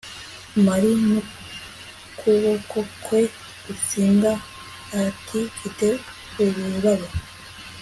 marie, n'ukuboko kwe gutsinda ati mfite ururabo